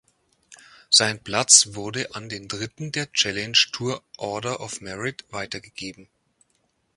Sein Platz wurde an den Dritten der Challenge Tour Order of Merit weitergegeben.